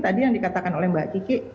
tadi yang dikatakan oleh mbak kiki